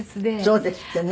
そうですってね。